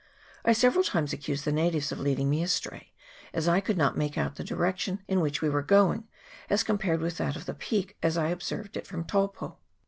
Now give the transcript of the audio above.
I several times accused the natives of leading me astray, as I could not make out the direction in which we were going, as compared with that of the peak as I had observed it from Taupo.